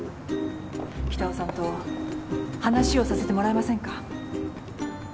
北尾さんと話をさせてもらえませんか？